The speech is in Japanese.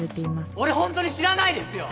俺ホントに知らないですよ！